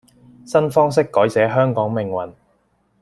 新方式改寫香港命運